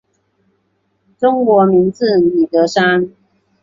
中国名字李德山。